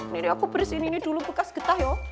nanti aku bersihkan ini dulu bekas getah yuk